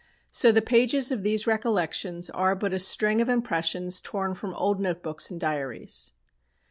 So the pages of these recollections are but a string of impressions torn from old note books and diaries.